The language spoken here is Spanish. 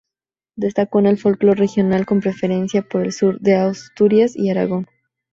Destacó en el folklore regional, con preferencia por el de Asturias y Aragón.